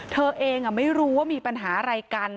เธอเองไม่รู้ว่ามีปัญหาอะไรกัน